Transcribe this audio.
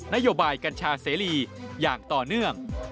นโยบายกัญชาเสรีอย่างต่อเนื่อง